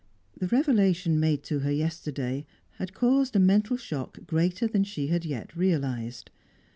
The revelation made to her yesterday had caused a mental shock greater than she had yet realised.